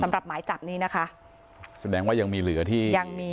หมายจับนี้นะคะแสดงว่ายังมีเหลือที่ยังมี